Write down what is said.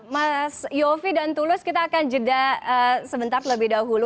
mas yofi dan tulus kita akan jeda sebentar lebih dahulu